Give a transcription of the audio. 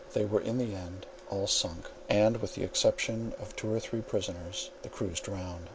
They were in the end all sunk, and, with the exception of two or three prisoners, the crews drowned.